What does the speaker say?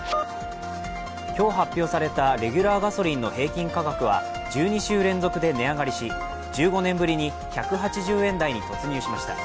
今日、発表されたレギュラーガソリンの平均価格は１２週連続で値上がりし１５年ぶりに１８０円台に突入しました。